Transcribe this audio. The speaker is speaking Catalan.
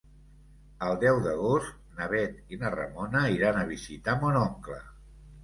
El deu d'agost na Bet i na Ramona iran a visitar mon oncle.